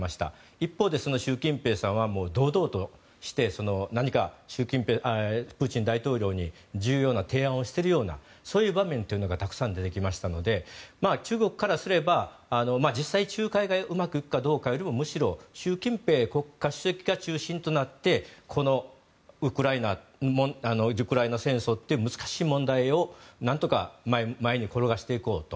一方で、習近平さんは堂々として何かプーチン大統領に重要な提案をしているようなそういう場面というのがたくさん出てきましたので中国からすれば実際、仲介がうまくいくかどうかよりもむしろ、習近平国家主席が中心となってこのウクライナ戦争という難しい問題をなんとか前に転がしていこうと。